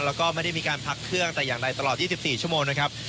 แล้วก็ไม่ได้มีการพักเครื่องแต่อย่างใดตลอด๒๔ชั่วโมงนะครับ